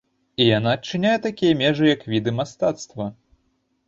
І яна адчыняе такія межы, як віды мастацтва.